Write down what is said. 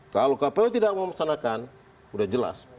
kalau kpu tidak memesanakan udah jelas